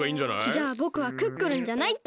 じゃあぼくはクックルンじゃないってことで。